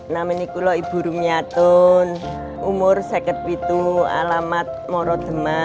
nama ini kulo ibu rumiatun umur sekat pitu alamat morodema